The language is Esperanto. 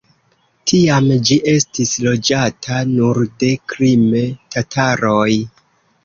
Tiam ĝi estis loĝata nur de krime-tataroj.